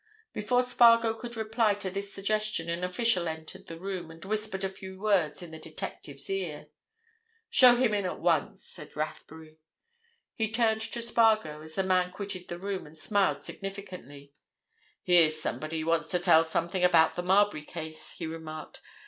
Before Spargo could reply to this suggestion an official entered the room and whispered a few words in the detective's ear. "Show him in at once," said Rathbury. He turned to Spargo as the man quitted the room and smiled significantly. "Here's somebody wants to tell something about the Marbury case," he remarked.